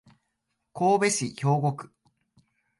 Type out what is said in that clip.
神戸市兵庫区